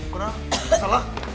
kau tau selak